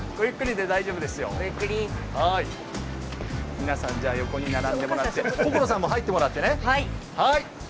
皆さん、横に並んでもらって心さんも入ってもらって。